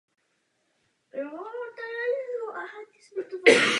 Na určování řádu reakce lze jít několika způsoby.